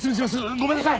ごめんなさい！